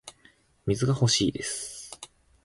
水が欲しいです